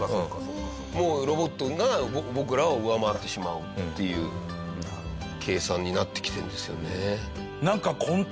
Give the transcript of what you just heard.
もうロボットが僕らを上回ってしまうっていう計算になってきてるんですよね。